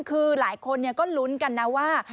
คือหลายคนก็ลุ้นกันนะว่า